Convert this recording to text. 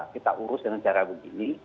kita urus dengan cara begini